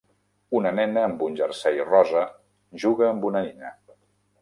Una nena amb un jersei rosa juga amb una nina.